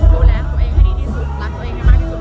ดูแลตัวเองให้ดีที่สุดรักตัวเองให้มากที่สุด